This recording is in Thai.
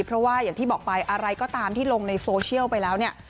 เพราะว่าอย่างที่บอกไปอะไรก็ตามที่ลงในโซเชียลไปแล้วเนี่ย